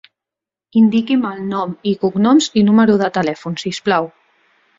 Indiqui'm el nom i cognoms i número de telèfon, si us plau.